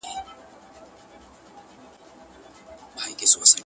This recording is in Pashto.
باڼه به مي په نيمه شپه و لار ته ور وړم ـ